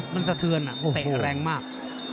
มันสะเทือนเตะแรงมาก